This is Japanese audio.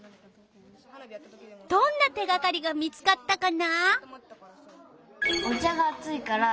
どんな手がかりが見つかったかな？